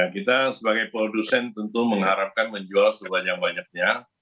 kita sebagai produsen tentu mengharapkan menjual sebanyak banyaknya